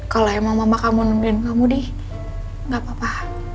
kalau emang mama mau nungguin kamu nih gak apa apa